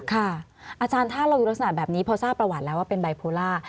ค่ะอาจารย์ถ้าเรารักษณะแบบนี้เพราะทราบประหวัดแล้วว่าเป็นไบโพล่า